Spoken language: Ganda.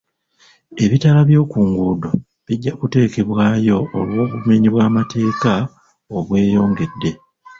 Ebitaala by'oku nguudo bijja kuteekebwayo olw'obumenyi bw'amateeka obweyongedde.